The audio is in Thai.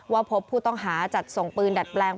พบผู้ต้องหาจัดส่งปืนดัดแปลง